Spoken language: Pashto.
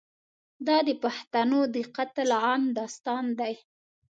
دا د پښتنو د قتل عام داستان دی.